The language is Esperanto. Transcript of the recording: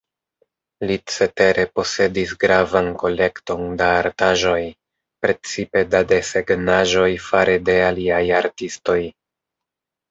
Li cetere posedis gravan kolekton da artaĵoj, precipe da desegnaĵoj fare de aliaj artistoj.